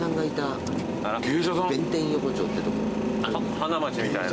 花街みたいな？